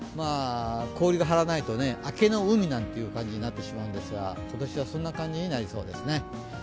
氷が張らないと海という感じになってしまうんですが、今年はそんな感じになりそうですね。